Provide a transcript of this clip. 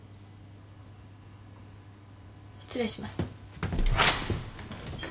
失礼します。